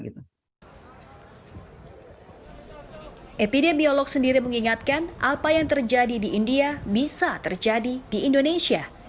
epidemiolog sendiri mengingatkan apa yang terjadi di india bisa terjadi di indonesia